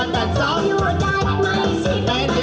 สักคำมาสักคำ